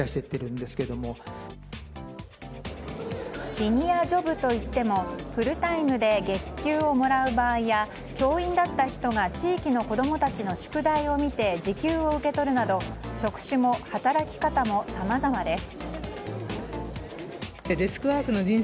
シニアジョブといってもフルタイムで月給をもらう場合や教員だった人が地域の子供たちの宿題を見て時給を受け取るなど職種も、働き方もさまざまです。